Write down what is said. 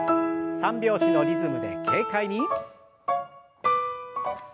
３拍子のリズムで軽快に。